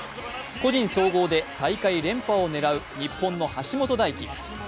個人総合で大会連覇を狙う日本の橋本大輝。